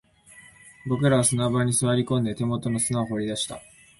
僕らは砂場に座り込んで、手元の砂を掘り出した